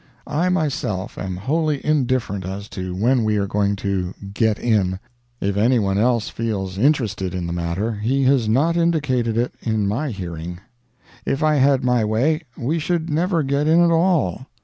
I myself am wholly indifferent as to when we are going to "get in"; if any one else feels interested in the matter he has not indicated it in my hearing. If I had my way we should never get in at all.